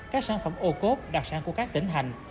các sản phẩm ô cốt đặc sản của các tỉnh hành